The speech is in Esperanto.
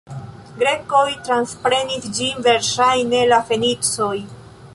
Grekoj transprenis ĝin verŝajne de fenicoj.